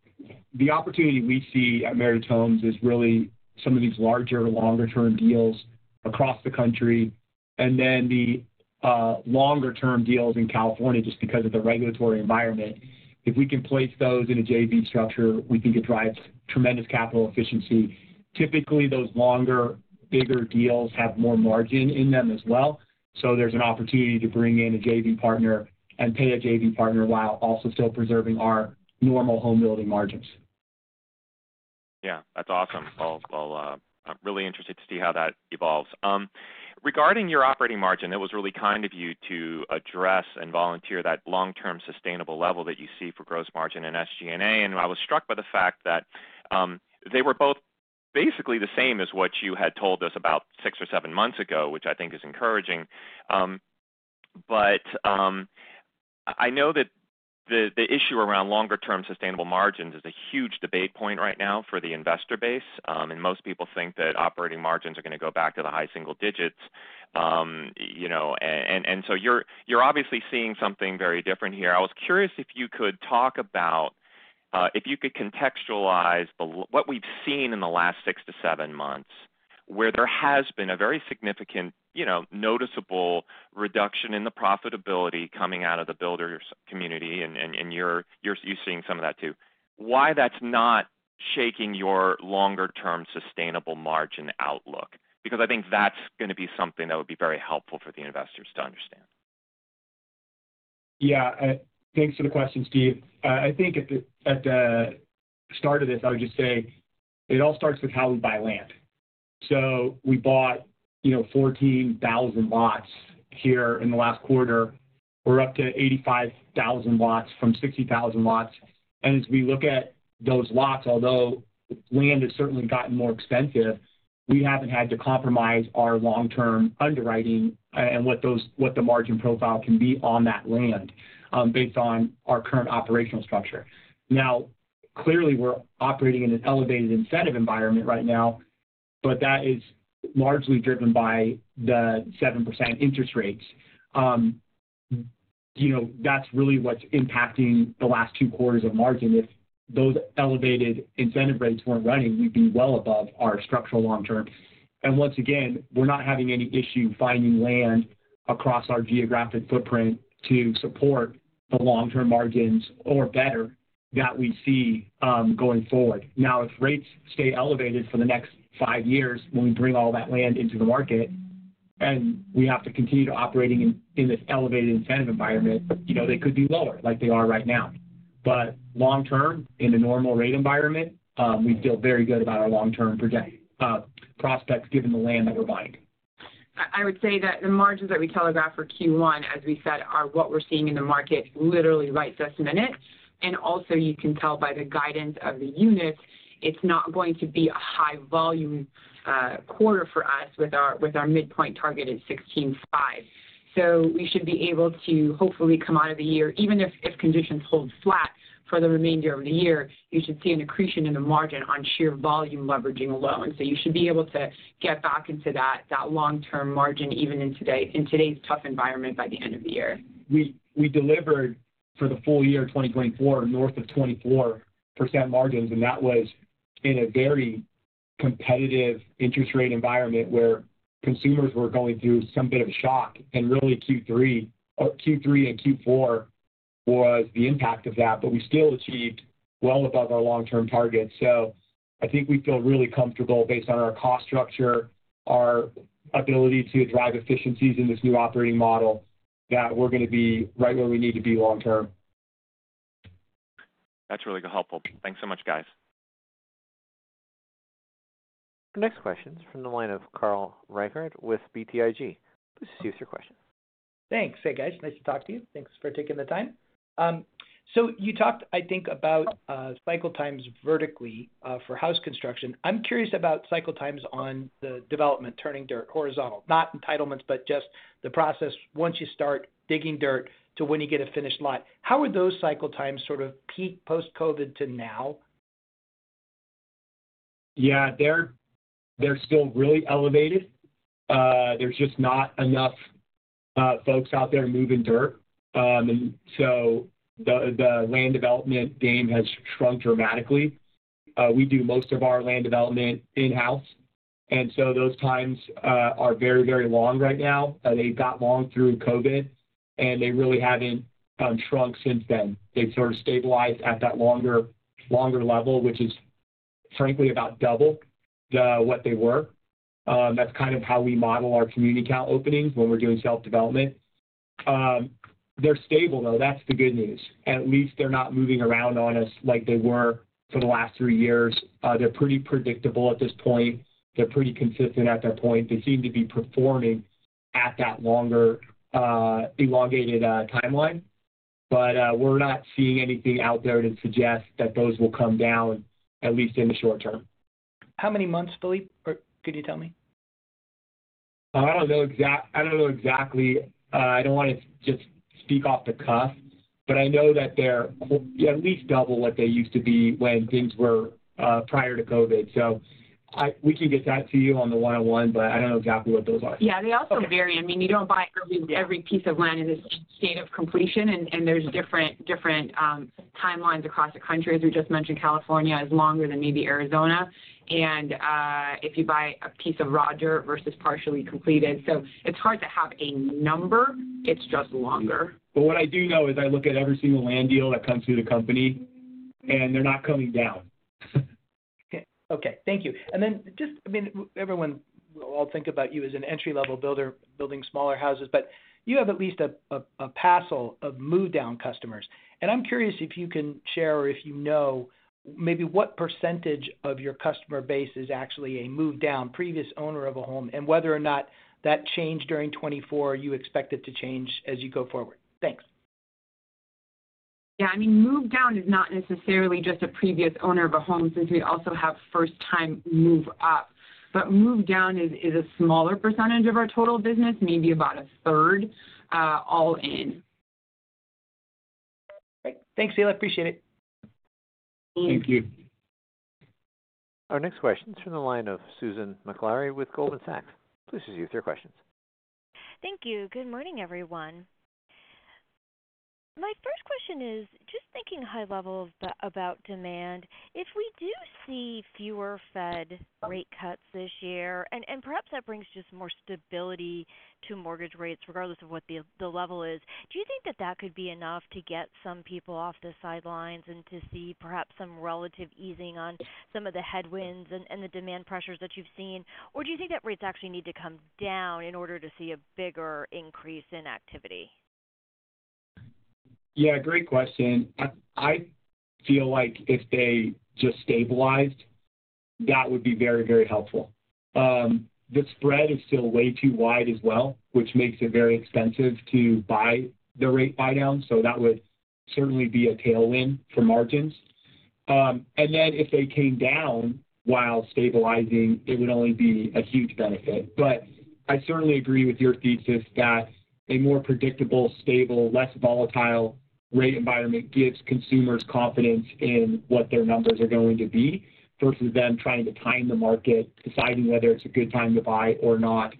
the opportunity we see at Meritage Homes is really some of these larger longer-term deals across the country. And then the longer-term deals in California, just because of the regulatory environment, if we can place those in a JV structure, we think it drives tremendous capital efficiency. Typically, those longer, bigger deals have more margin in them as well. So there's an opportunity to bring in a JV partner and pay a JV partner while also still preserving our normal home building margins. Yeah. That's awesome. I'm really interested to see how that evolves. Regarding your operating margin, it was really kind of you to address and volunteer that long-term sustainable level that you see for gross margin in SG&A. And I was struck by the fact that they were both basically the same as what you had told us about six or seven months ago, which I think is encouraging. But I know that the issue around longer-term sustainable margins is a huge debate point right now for the investor base. And most people think that operating margins are going to go back to the high single digits. And so you're obviously seeing something very different here. I was curious if you could contextualize what we've seen in the last 6 to 7 months where there has been a very significant, noticeable reduction in the profitability coming out of the builder community, and you're seeing some of that too. Why that's not shaking your longer-term sustainable margin outlook? Because I think that's going to be something that would be very helpful for the investors to understand. Yeah. Thanks for the question, Steve. I think at the start of this, I would just say it all starts with how we buy land. So we bought 14,000 lots here in the last quarter. We're up to 85,000 lots from 60,000 lots. And as we look at those lots, although land has certainly gotten more expensive, we haven't had to compromise our long-term underwriting and what the margin profile can be on that land based on our current operational structure. Now, clearly, we're operating in an elevated incentive environment right now, but that is largely driven by the 7% interest rates. That's really what's impacting the last Q2 of margin. If those elevated incentive rates weren't running, we'd be well above our structural long-term. And once again, we're not having any issue finding land across our geographic footprint to support the long-term margins or better that we see going forward. Now, if rates stay elevated for the next 5 years when we bring all that land into the market and we have to continue operating in this elevated incentive environment, they could be lower like they are right now. But long-term, in a normal rate environment, we feel very good about our long-term prospects given the land that we're buying. I would say that the margins that we telegraph for Q1, as we said, are what we're seeing in the market literally right this minute. And also, you can tell by the guidance of the units, it's not going to be a high-volume quarter for us with our midpoint target at 16,500. So we should be able to hopefully come out of the year, even if conditions hold flat for the remainder of the year. You should see an accretion in the margin on sheer volume leveraging alone. So you should be able to get back into that long-term margin even in today's tough environment by the end of the year. We delivered for the full year 2024 north of 24% margins, and that was in a very competitive interest rate environment where consumers were going through some bit of a shock, and really, Q3 and Q4 was the impact of that, but we still achieved well above our long-term target, so I think we feel really comfortable based on our cost structure, our ability to drive efficiencies in this new operating model that we're going to be right where we need to be long-term. That's really helpful. Thanks so much, guys. Next question is from the line of Carl Reichardt with BTIG. Please proceed with your question. Thanks. Hey, guys. Nice to talk to you. Thanks for taking the time. So you talked, I think, about cycle times vertically for house construction. I'm curious about cycle times on the development turning dirt horizontal. Not entitlements, but just the process once you start digging dirt to when you get a finished lot. How are those cycle times sort of peak post-COVID to now? Yeah. They're still really elevated. There's just not enough folks out there moving dirt. And so the land development game has shrunk dramatically. We do most of our land development in-house. And so those times are very, very long right now. They got long through COVID, and they really haven't shrunk since then. They've sort of stabilized at that longer level, which is frankly about double what they were. That's kind of how we model our community account openings when we're doing self-development. They're stable, though. That's the good news. At least they're not moving around on us like they were for the last 3 years. They're pretty predictable at this point. They're pretty consistent at that point. They seem to be performing at that longer elongated timeline. But we're not seeing anything out there to suggest that those will come down, at least in the short term. How many months, Philippe, could you tell me? I don't know exactly. I don't want to just speak off the cuff, but I know that they're at least double what they used to be when things were prior to COVID. So we can get that to you on the 101, but I don't know exactly what those are. Yeah. They also vary. I mean, you don't buy every piece of land in the state of completion, and there's different timelines across the country. As we just mentioned, California is longer than maybe Arizona, and if you buy a piece of raw dirt versus partially completed, so it's hard to have a number. It's just longer, but what I do know is I look at every single land deal that comes through the company, and they're not coming down. Okay. Thank you, and then just, I mean, everyone will think about you as an entry-level builder building smaller houses, but you have at least a passel of move-down customers. And I'm curious if you can share or if you know maybe what percentage of your customer base is actually a move-down, previous owner of a home, and whether or not that changed during 2024 or you expect it to change as you go forward. Thanks. Yeah. I mean, move-down is not necessarily just a previous owner of a home since we also have first-time move-up. But move-down is a smaller percentage of our total business, maybe about a third all in. Thanks, Philippe. Appreciate it. Thank you. Our next question is from the line of Susan Maklari with Goldman Sachs. Please proceed with your questions. Thank you. Good morning, everyone. My first question is just thinking high level about demand. If we do see fewer Fed rate cuts this year, and perhaps that brings just more stability to mortgage rates regardless of what the level is, do you think that that could be enough to get some people off the sidelines and to see perhaps some relative easing on some of the headwinds and the demand pressures that you've seen? Or do you think that rates actually need to come down in order to see a bigger increase in activity? Yeah. Great question. I feel like if they just stabilized, that would be very, very helpful. The spread is still way too wide as well, which makes it very expensive to buy the rate buy-down. So that would certainly be a tailwind for margins. And then if they came down while stabilizing, it would only be a huge benefit. But I certainly agree with your thesis that a more predictable, stable, less volatile rate environment gives consumers confidence in what their numbers are going to be versus them trying to time the market, deciding whether it's a good time to buy or not,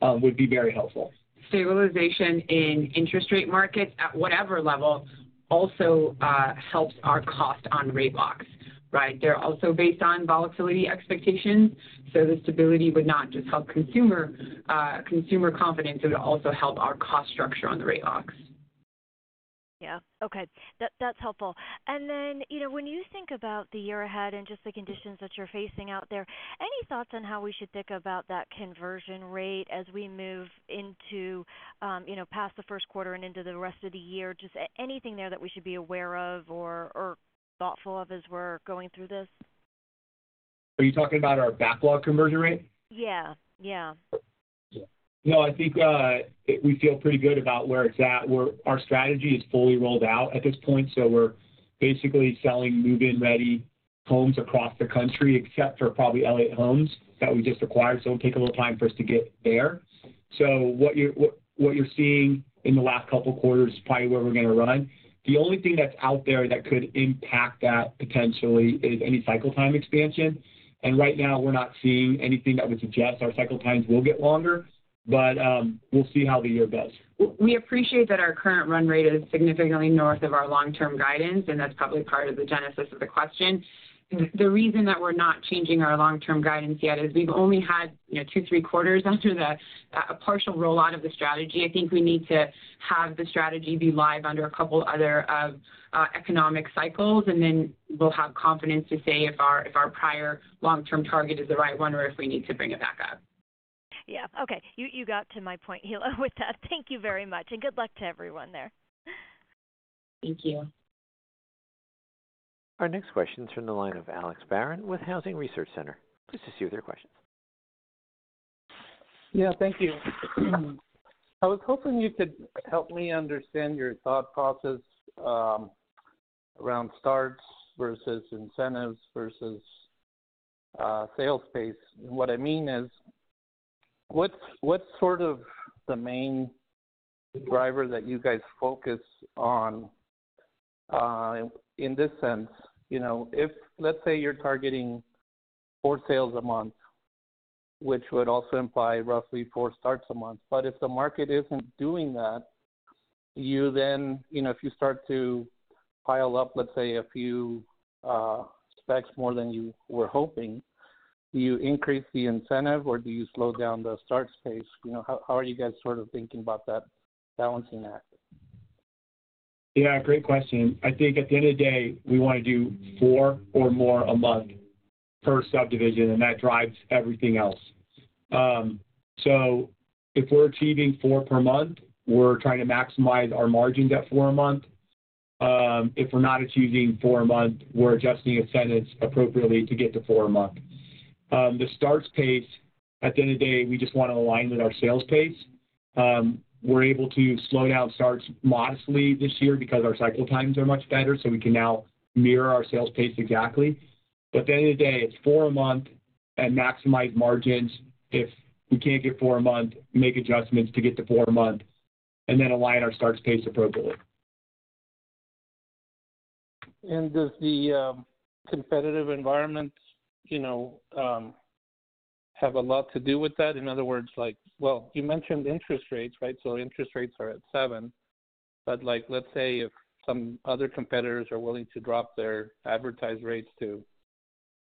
would be very helpful. Stabilization in interest rate markets at whatever level also helps our cost on rate locks, right? They're also based on volatility expectations. So the stability would not just help consumer confidence. It would also help our cost structure on the rate locks. Yeah. Okay. That's helpful. And then when you think about the year ahead and just the conditions that you're facing out there, any thoughts on how we should think about that conversion rate as we move into past the first quarter and into the rest of the year? Just anything there that we should be aware of or thoughtful of as we're going through this? Are you talking about our backlog conversion rate? Yeah. Yeah. No, I think we feel pretty good about where it's at. Our strategy is fully rolled out at this point. So we're basically selling move-in ready homes across the country except for probably Elliott Homes that we just acquired. So it'll take a little time for us to get there. So what you're seeing in the last couple of quarters is probably where we're going to run. The only thing that's out there that could impact that potentially is any cycle time expansion. And right now, we're not seeing anything that would suggest our cycle times will get longer, but we'll see how the year goes. We appreciate that our current run rate is significantly north of our long-term guidance, and that's probably part of the genesis of the question. The reason that we're not changing our long-term guidance yet is we've only had two, three quarters under a partial rollout of the strategy. I think we need to have the strategy be live under a couple other economic cycles, and then we'll have confidence to say if our prior long-term target is the right one or if we need to bring it back up. Yeah. Okay. You got to my point, Hilla, with that. Thank you very much. And good luck to everyone there. Thank you. Our next question is from the line of Alex Barron with Housing Research Center. Please proceed with your questions. Yeah. Thank you. I was hoping you could help me understand your thought process around starts versus incentives versus sales pace. And what I mean is what's sort of the main driver that you guys focus on in this sense? If, let's say, you're targeting four sales a month, which would also imply roughly four starts a month, but if the market isn't doing that, if you start to pile up, let's say, a few specs more than you were hoping, do you increase the incentive or do you slow down the start pace? How are you guys sort of thinking about that balancing act? Yeah. Great question. I think at the end of the day, we want to do four or more a month per subdivision, and that drives everything else. So if we're achieving four per month, we're trying to maximize our margins at four a month. If we're not achieving four a month, we're adjusting incentives appropriately to get to four a month. The starts pace, at the end of the day, we just want to align with our sales pace. We're able to slow down starts modestly this year because our cycle times are much better, so we can now mirror our sales pace exactly. But at the end of the day, it's four a month and maximize margins. If we can't get four a month, make adjustments to get to four a month and then align our starts pace appropriately. And does the competitive environment have a lot to do with that? In other words, well, you mentioned interest rates, right? So interest rates are at 7%. But let's say if some other competitors are willing to drop their advertised rates to,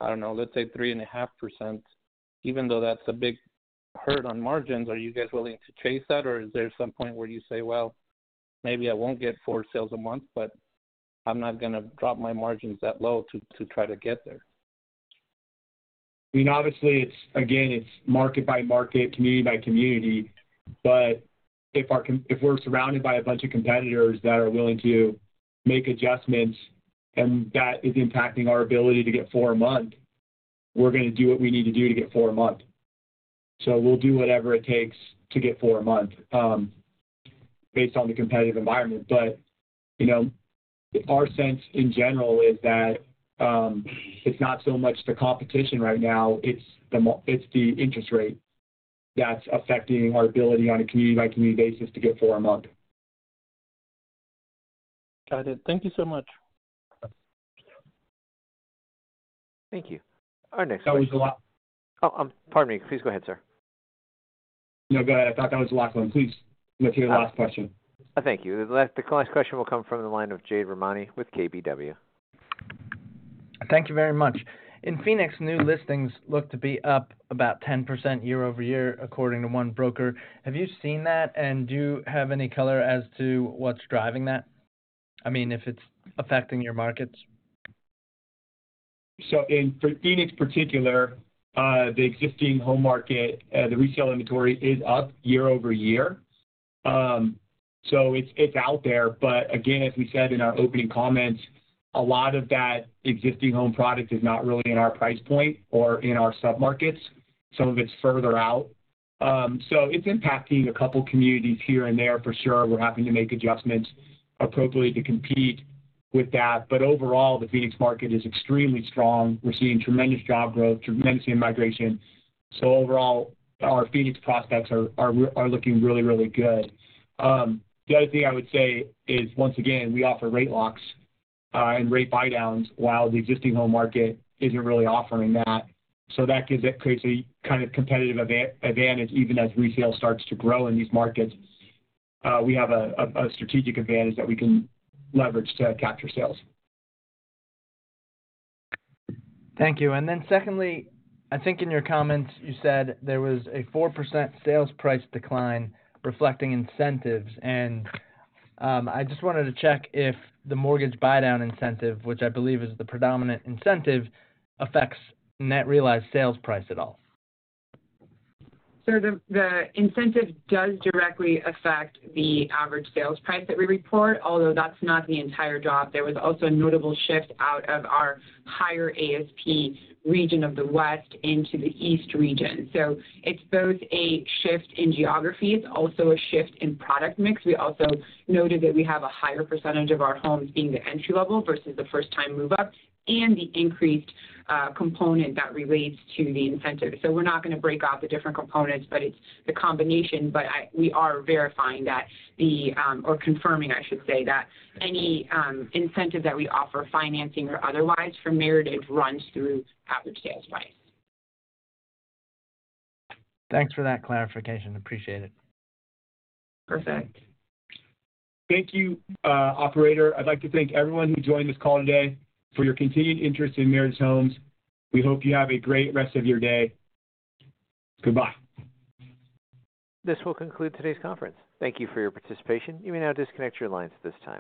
I don't know, let's say 3.5%, even though that's a big hurt on margins, are you guys willing to chase that? Or is there some point where you say, "Well, maybe I won't get four sales a month, but I'm not going to drop my margins that low to try to get there"? I mean, obviously, again, it's market by market, community by community. But if we're surrounded by a bunch of competitors that are willing to make adjustments and that is impacting our ability to get four a month, we're going to do what we need to do to get four a month. So we'll do whatever it takes to get four a month based on the competitive environment. But our sense in general is that it's not so much the competition right now. It's the interest rate that's affecting our ability on a community-by-community basis to get four a month. Got it. Thank you so much. Thank you. Our next question. That was the last. Oh, pardon me. Please go ahead, sir. No, go ahead. I thought that was the last one. Please let's hear the last question. Thank you. The last question will come from the line of Jade Rahmani with KBW. Thank you very much. In Phoenix, new listings look to be up about 10% year over year according to one broker. Have you seen that? And do you have any color as to what's driving that? I mean, if it's affecting your markets. So for Phoenix in particular, the existing home market, the resale inventory is up year over year. So it's out there. But again, as we said in our opening comments, a lot of that existing home product is not really in our price point or in our submarkets. Some of it's further out. So it's impacting a couple of communities here and there for sure. We're having to make adjustments appropriately to compete with that. But overall, the Phoenix market is extremely strong. We're seeing tremendous job growth, tremendous immigration. So overall, our Phoenix prospects are looking really, really good. The other thing I would say is, once again, we offer rate locks and rate buy-downs while the existing home market isn't really offering that. So that creates a kind of competitive advantage even as resale starts to grow in these markets. We have a strategic advantage that we can leverage to capture sales. Thank you. And then, secondly, I think in your comments, you said there was a 4% sales price decline reflecting incentives. And I just wanted to check if the mortgage buy-down incentive, which I believe is the predominant incentive, affects net realized sales price at all. So the incentive does directly affect the average sales price that we report, although that's not the entire drop. There was also a notable shift out of our higher ASP region of the West into the East region. So it's both a shift in geography. It's also a shift in product mix. We also noted that we have a higher percentage of our homes being the entry-level versus the first-time move-up and the increased component that relates to the incentive. So we're not going to break out the different components, but it's the combination. But we are verifying that, or confirming, I should say, that any incentive that we offer, financing or otherwise, for Meritage runs through average sales price. Thanks for that clarification. Appreciate it. Perfect. Thank you, operator. I'd like to thank everyone who joined this call today for your continued interest in Meritage Homes. We hope you have a great rest of your day. Goodbye. This will conclude today's conference. Thank you for your participation. You may now disconnect your lines at this time.